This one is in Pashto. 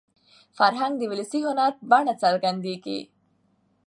فرهنګ د ولسي هنر په بڼه څرګندېږي.